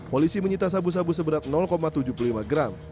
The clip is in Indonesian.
polisi menyita sabu sabu seberat tujuh puluh lima gram